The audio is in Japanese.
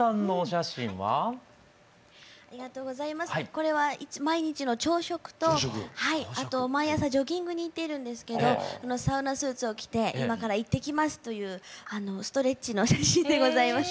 これは毎日の朝食とあと毎朝ジョギングに行っているんですけどサウナスーツを着て今から行ってきますというストレッチの写真でございます。